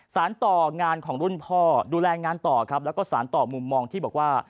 สารต่องานของรุ่นพ่อดูแลงานต่อครับแล้วก็สารต่อมุมมองที่บอกว่า